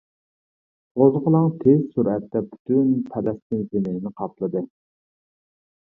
قوزغىلاڭ تېز سۈرئەتتە پۈتۈن پەلەستىن زېمىنىنى قاپلىدى.